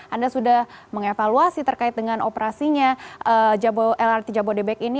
anda sudah mengevaluasi terkait dengan operasinya lrt jabodebek ini